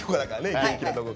元気なとこが。